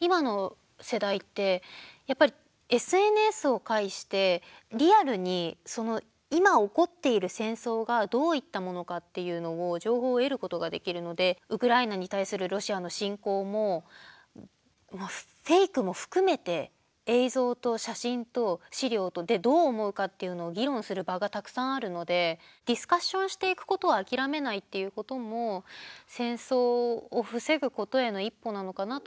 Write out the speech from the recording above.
今の世代って、やっぱりＳＮＳを介してリアルに今起こっている戦争がどういったものかっていうのを情報を得ることができるのでウクライナに対するロシアの侵攻もフェークも含めて映像と写真と資料とでどう思うかっていうのを議論する場がたくさんあるのでディスカッションしていくことを諦めないっていうことも戦争を防ぐことへの一歩なのかなと思いますね。